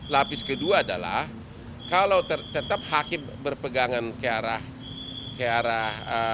lapis kedua adalah kalau tetap hakim berpegangan ke arah